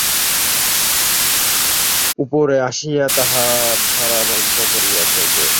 উপরে আসিয়া দ্বার বন্ধ করিয়াছ যে।